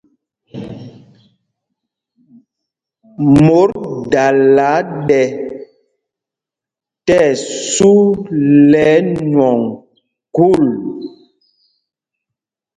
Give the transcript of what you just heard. Mot dala ɗɛ tí ɛsu lɛ ɛnwɔŋ khûl.